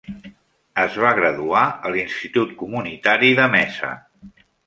Es va graduar a l'Institut Comunitari de Mesa.